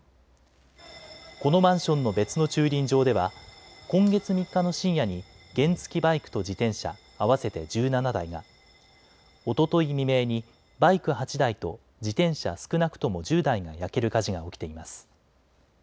このマンションの別の駐輪場では今月３日の深夜に原付きバイクと自転車合わせて１７台が、おととい未明にバイク８台と自転車少なくとも１０台が焼ける火事が起きています。